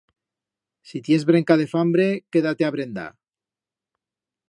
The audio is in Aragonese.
Si tiens brenca de fambre, queda-te a brendar